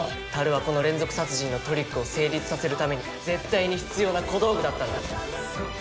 樽はこの連続殺人のトリックを成立させるために絶対に必要な小道具だったんだ。